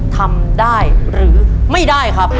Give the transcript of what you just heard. ทำได้หรือไม่ได้ครับ